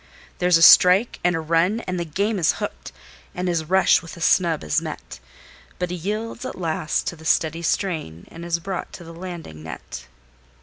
There's a strike and a run as the game is hooked, and his rush with a snub is met, But he yields at last to the steady strain, and is brought to the landing net.